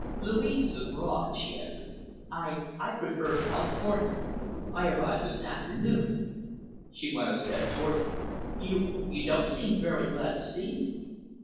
"Louise is abroad," she answered. "I I preferred California. I arrived this afternoon." She went a step toward him. "You you don't seem very glad to see me."